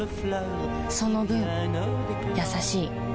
その分優しい